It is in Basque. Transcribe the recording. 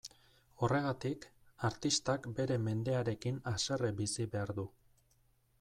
Horregatik, artistak bere mendearekin haserre bizi behar du.